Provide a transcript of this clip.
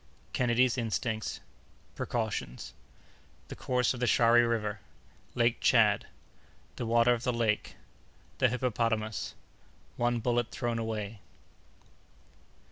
—Kennedy's Instincts.—Precautions.—The Course of the Shari River.—Lake Tchad.—The Water of the Lake.—The Hippopotamus.—One Bullet thrown away.